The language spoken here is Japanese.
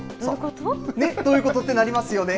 どういうことってなりますよね。